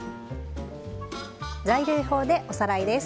材料表でおさらいです。